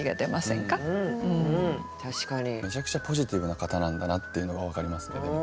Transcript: めちゃくちゃポジティブな方なんだなっていうのが分かりますねでも。